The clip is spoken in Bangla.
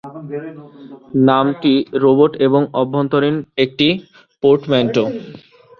নামটি রোবট এবং অভ্যন্তরীণ একটি পোর্টম্যানটো।